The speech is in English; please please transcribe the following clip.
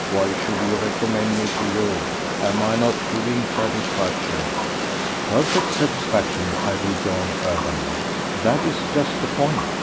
Why should he recommend me to you? Am I not giving satisfaction?" "Perfect satisfaction," I rejoined urbanely; "that is just the point.